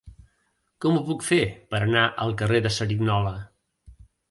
Com ho puc fer per anar al carrer de Cerignola?